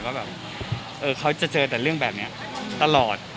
ว่าแบบเขาจะเจอแต่เรื่องแบบนี้ตลอด